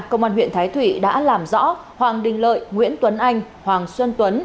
điều tra công an huyện thái thụy đã làm rõ hoàng đình lợi nguyễn tuấn anh hoàng xuân tuấn